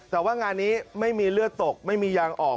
แต่ว่างานนี้ไม่มีเลือดตกไม่มียางออก